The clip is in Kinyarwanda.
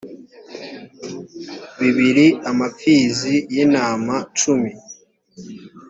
bibiri amapfizi y’intama cumi